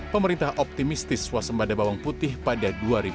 pemerintah optimistis swasembada bawang putih pada dua ribu dua puluh